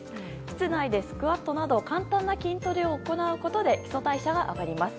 室内でスクワットなど簡単な筋トレを行うことで基礎代謝が上がります。